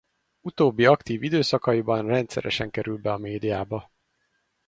Utóbbi aktív időszakaiban rendszeresen kerül be a médiába.